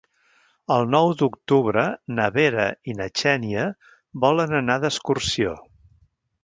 El nou d'octubre na Vera i na Xènia volen anar d'excursió.